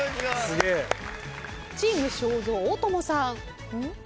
チーム正蔵大友さん。